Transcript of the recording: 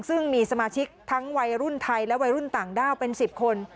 ซึ่งมีสมาชิกทั้งวัยรุ่นไทยและวัยรุ่นต่างด้าวเป็น๑๐คน